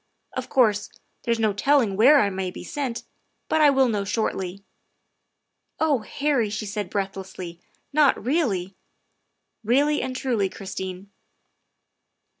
Of course, there's no telling where I may be sent, but I will know shortly. ''" Oh Harry," she said breathlessly, " not really?" " Really and truly, Christine."